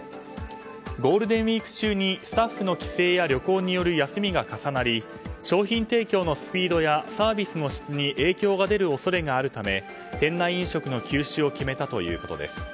ゴールデンウィーク中にスタッフの帰省や旅行による休みが重なり商品提供のスピードやサービスの質に影響が出る恐れがあるため店内飲食の休止を決めたということです。